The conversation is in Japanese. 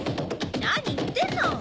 何言ってんの！